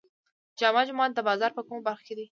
جامع جومات د بازار په کومه برخه کې دی؟